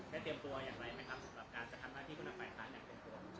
ได้เตรียมตัวอย่างไรเป็นครับสำหรับการกัดทำงานที่คุณภาคภาคอย่างเป็นตัว